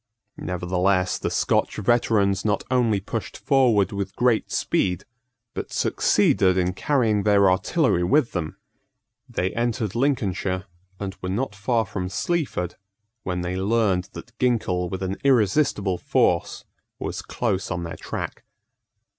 Nevertheless the Scotch veterans not only pushed forward with great speed, but succeeded in carrying their artillery with them. They entered Lincolnshire, and were not far from Sleaford, when they learned that Ginkell with an irresistible force was close on their track.